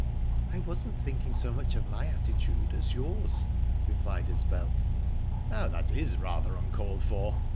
"I wasn't thinking so much of my attitude as yours," replied Isbel. "Now, that is rather uncalled for.